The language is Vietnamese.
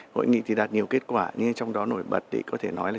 hội nghị đạt nhiều kết quả nhưng trong đó nổi bật